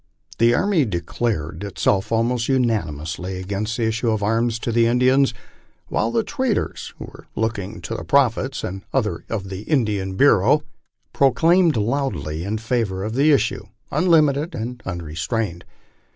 The army declared itself almost unanimously against the issue of arms to the Indians, while tne traders, who were looking to the profits, and others of the Indian Bureau. 118 LIFE ON THE PLAINS. proclaimed loudly in favor of the issue, unlimited and unrestrained.